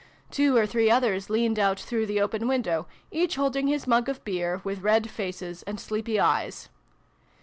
Two or three others leaned out through the open window, each holding his mug of beer, with red faces and sleepy eyes.